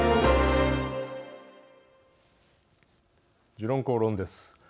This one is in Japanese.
「時論公論」です。